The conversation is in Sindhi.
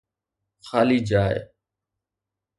خالي جاءِ